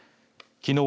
きのう